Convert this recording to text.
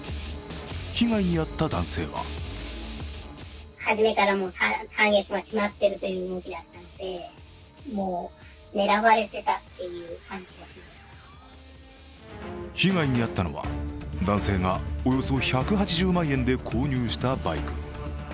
被害に遭った男性は被害に遭ったのは男性がおよそ１８０万円で購入したバイク。